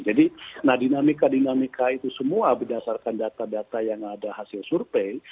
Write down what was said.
jadi nah dinamika dinamika itu semua berdasarkan data data yang ada hasil survei